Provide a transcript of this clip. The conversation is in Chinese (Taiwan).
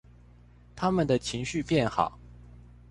牠們的情緒變好